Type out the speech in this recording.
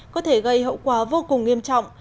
có thể gây hậu quả vô cùng nghiêm trọng